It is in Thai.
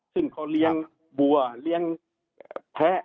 ซึ่งเขาเลี้ยงบัวเลี้ยงแพ้